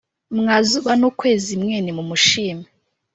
Mwa zuba n ukwezi mwe nimumushime